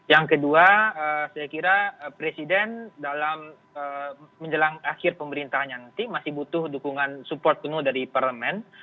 yang kedua saya kira presiden dalam menjelang akhir pemerintahan nanti masih butuh dukungan support penuh dari parlemen